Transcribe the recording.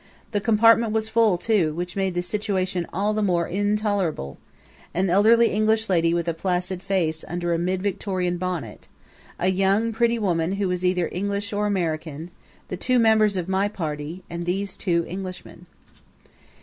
The compartment was full, too, which made the situation all the more intolerable: an elderly English lady with a placid face under a mid Victorian bonnet; a young, pretty woman who was either English or American; the two members of my party, and these two Englishmen.